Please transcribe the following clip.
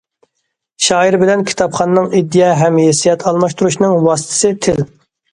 شائىر بىلەن كىتابخاننىڭ ئىدىيە ھەم ھېسسىيات ئالماشتۇرۇشىنىڭ ۋاسىتىسى تىل.